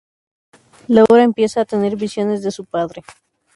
Laura empieza a tener visiones de su padre.